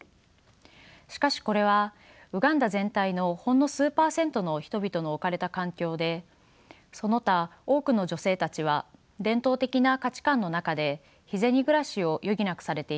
しかしこれはウガンダ全体のほんの数％の人々の置かれた環境でその他多くの女性たちは伝統的な価値観の中で日銭暮らしを余儀なくされています。